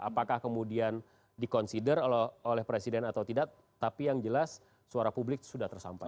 apakah kemudian di consider oleh presiden atau tidak tapi yang jelas suara publik sudah tersampai